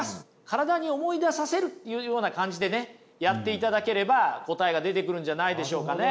体に思い出させるっていうような感じでねやっていただければ答えが出てくるんじゃないでしょうかね。